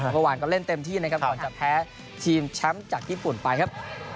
เมื่อวานก็เล่นเต็มที่นะครับก่อนจะแพ้ทีมแชมป์จากญี่ปุ่นไปครับ